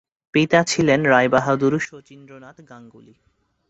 পিতা ছিলেন রায়বাহাদুর শচীন্দ্রনাথ গাঙ্গুলী।